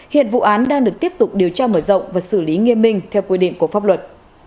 hiện vụ án đang được tiếp tục điều tra mở rộng và xử lý nghiêm minh theo quy định của pháp luật